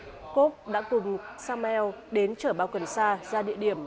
jacob đã cùng samuel đến chở bao cần sa ra địa điểm